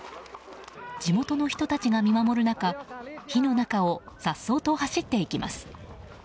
地元の人たちが見守る中火の中を颯爽と走っていきます。